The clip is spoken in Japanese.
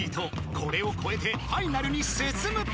これを超えてファイナルに進むか？］